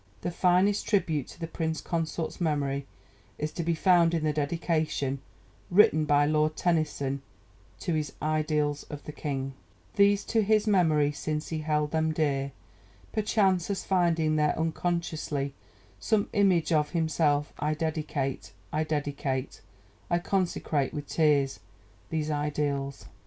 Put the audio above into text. The finest tribute to the Prince Consort's memory is to be found in the Dedication written by Lord Tennyson to his Idylls of the King: These to His Memory since he held them dear, Perchance as finding there unconsciously Some image of himself I dedicate, I dedicate, I consecrate with tears These Idylls.